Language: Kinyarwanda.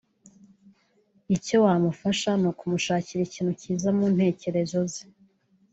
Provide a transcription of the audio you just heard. Icyo wamufasha nukumushakira ikintu cyiza muntekerezo ze